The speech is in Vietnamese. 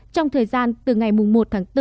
trong thời gian từ ngày một tháng bốn